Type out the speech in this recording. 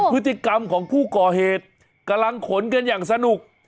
พฤติกรรมของผู้ก่อเหตุกำลังขนกันอย่างสนุก